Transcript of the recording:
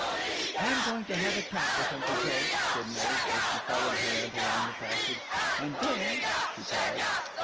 "I'm going to have a talk with Uncle Joe," said Millie, as she followed her aunt along the passage, "and then " she paused.